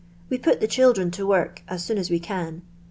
We put the cijildu n to work a« soon as we can.